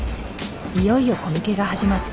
いよいよコミケが始まった。